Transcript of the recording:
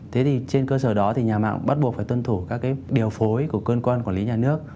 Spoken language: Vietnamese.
thế thì trên cơ sở đó thì nhà mạng bắt buộc phải tuân thủ các cái điều phối của cơ quan quản lý nhà nước